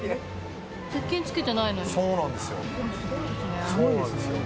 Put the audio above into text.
そうなんですよ。